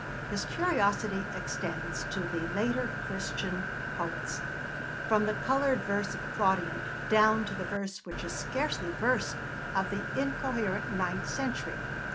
His curiosity extends to the later Christian poets from the coloured verse of Claudian down to the verse which is scarcely verse of the incoherent ninth century.